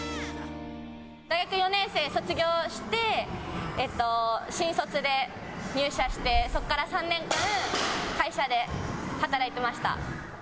大学４年生卒業して、新卒で入社して３年間会社で働いてました。